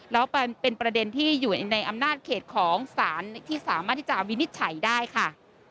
แล้วเป็นประเด็นที่อยู่ในอำนาจเขตของศาลที่สามารถที่จะวินิจฉัยได้ค่ะ